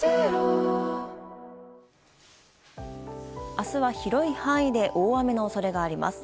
明日は広い範囲で大雨の恐れがあります。